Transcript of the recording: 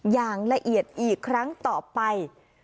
อย่างละเอียดอีกครั้งต่อไป